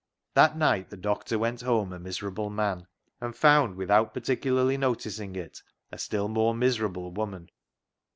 That night the doctor went home a miserable man, and found, without particularly noticing it, a still more miserable woman.